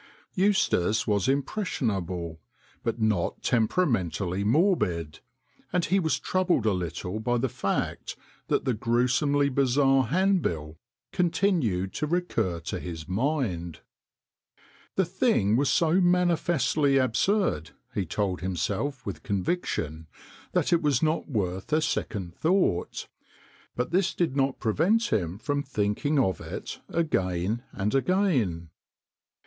II Eustace was impressionable but not tem peramentally morbid, and he was troubled a little by the fact that the gruesomely bizarre handbill continued to recur to his mind. The thing was so manifestly absurd, he told himself with conviction, that it was not worth a second thought, but this did not prevent him from thinking of it again and again.